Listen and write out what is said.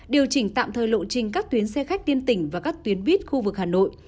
điều chỉnh tạm thời lộ trình các tuyến xe khách tiên tỉnh và các tuyến buýt khu vực hà nội